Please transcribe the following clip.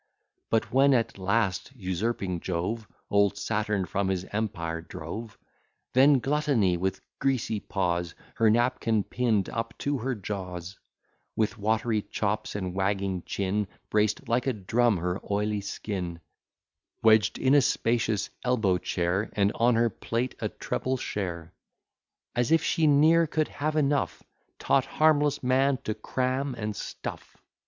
But when at last usurping Jove Old Saturn from his empire drove, Then gluttony, with greasy paws Her napkin pinn'd up to her jaws, With watery chops, and wagging chin, Braced like a drum her oily skin; Wedged in a spacious elbow chair, And on her plate a treble share, As if she ne'er could have enough, Taught harmless man to cram and stuff.